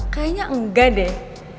kayaknya enggak deh